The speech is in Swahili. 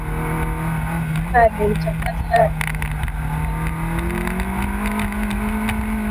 jana alimchakaza david fera kwa seti mbili kwa nunge